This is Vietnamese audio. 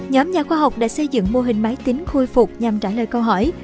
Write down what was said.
nhóm nhà khoa học đã xây dựng mô hình máy tính khôi phục nhằm trả lời câu hỏi